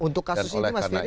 untuk kasus ini mas ini gimana